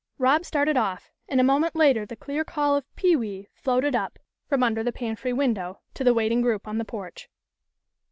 Rob started off, and a moment later the clear call of "pewee" floated up from under the pantry win dow, to the waiting group on the porch.